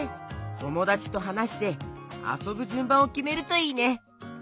ともだちとはなしてあそぶじゅんばんをきめるといいね！